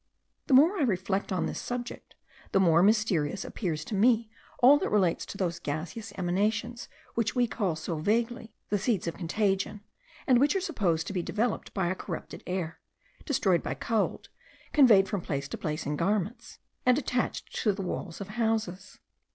The more I reflect on this subject, the more mysterious appears to me all that relates to those gaseous emanations which we call so vaguely the seeds of contagion, and which are supposed to be developed by a corrupted air, destroyed by cold, conveyed from place to place in garments, and attached to the walls of houses.